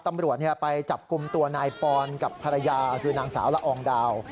ตำรวจไปจับกลุ่มตัวนายปอนกับภรรยาคือนางสาวละอองดาว